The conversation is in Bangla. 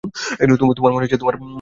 তোমার মনে আছে?